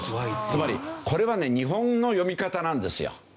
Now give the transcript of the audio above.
つまりこれはね日本の呼び方なんですよ。